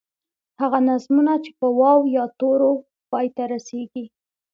هغه نظمونه چې په واو، یا تورو پای ته رسیږي.